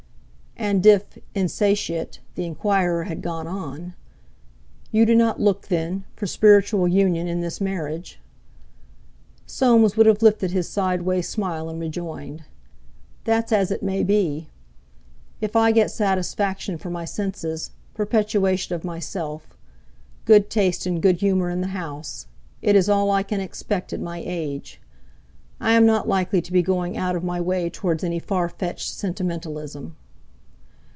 And if, insatiate, the enquirer had gone on, "You do not look, then, for spiritual union in this marriage?" Soames would have lifted his sideway smile, and rejoined: "That's as it may be. If I get satisfaction for my senses, perpetuation of myself; good taste and good humour in the house; it is all I can expect at my age. I am not likely to be going out of my way towards any far fetched sentimentalism."